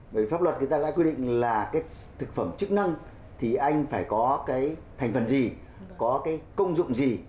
bởi pháp luật người ta đã quy định là thực phẩm chức năng thì anh phải có thành phần gì có công dụng gì